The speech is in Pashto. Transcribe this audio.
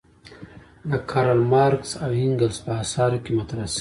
د کارل مارکس او انګلز په اثارو کې مطرح شوې.